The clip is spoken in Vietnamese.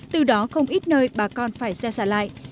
từ đó không ít nơi bà con phải gieo xả lại